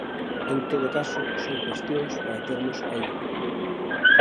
En todo caso, son cuestións para termos aí.